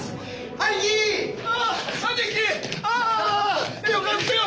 兄貴！ああよかったよ